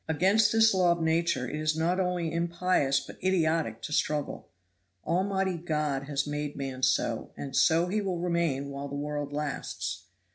Against this law of Nature it is not only impious but idiotic to struggle. Almighty God has made man so, and so he will remain while the world lasts.